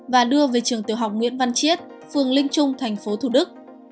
và đưa về trường tiểu học nguyễn văn chiết phường linh trung thành phố thủ đức